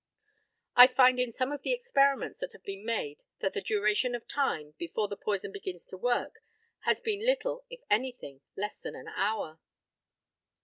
I find in some of the experiments that have been made that the duration of time, before the poison begins to work, has been little, if anything, less than an hour.